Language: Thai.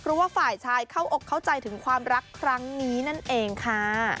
เพราะว่าฝ่ายชายเข้าอกเข้าใจถึงความรักครั้งนี้นั่นเองค่ะ